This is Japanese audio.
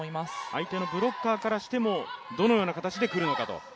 相手のブロッカーからしてもどのような形で来るのかと。